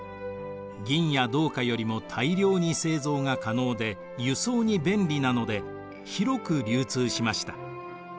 銀や銅貨よりも大量に製造が可能で輸送に便利なので広く流通しました。